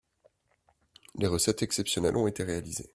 Les recettes exceptionnelles ont été réalisées